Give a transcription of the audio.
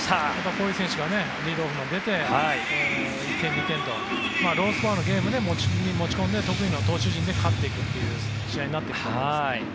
こういう選手がリードオフマン出て１点、２点とロースコアのゲームに持ち込んで得意の投手陣で勝っていくという試合になると思います。